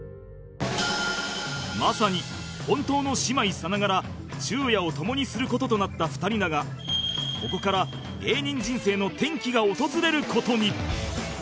まさに本当の姉妹さながら昼夜をともにする事となった２人だがここから芸人人生の転機が訪れる事に